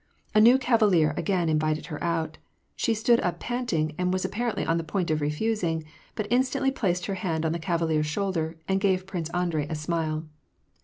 A new cavalier again invited her out. She stood up panting, and was apparently on the point of refusing; but instantly placed her hand on the cavalier's shoulder, and gave Prince Andrei a smile.